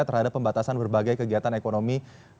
terhadap pembatasan berbagai kegiatan ekonomi